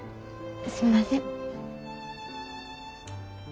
すみません。